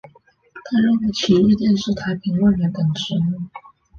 担任过崎玉电视台评论员等职务。